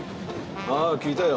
ああ聞いたよ。